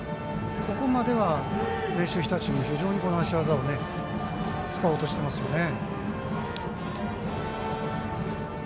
ここまでは、明秀日立も非常に足技も使おうとしてますよね。